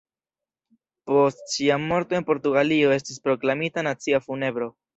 Post ŝia morto en Portugalio estis proklamita nacia funebro.